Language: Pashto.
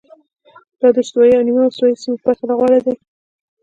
دا د استوایي او نیمه استوایي سیمو په پرتله غوره دي.